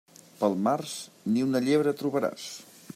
Pel març, ni una llebre trobaràs.